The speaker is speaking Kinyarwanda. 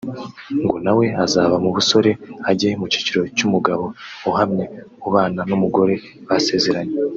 ngo nawe azava mu busore ajye mu cyiciro cy’umugabo uhamye ubana n’umugore basezeranye